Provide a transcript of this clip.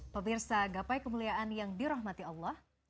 pemirsa gapai kemuliaan yang dirahmati allah